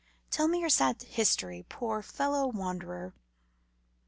Tell me your sad history, poor fellow wanderer."